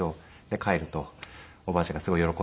帰るとおばあちゃんがすごい喜んでくれて。